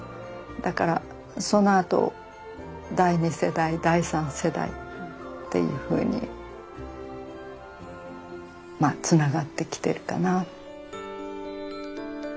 だからそのあと第２世代第３世代っていうふうにまあつながってきてるかな。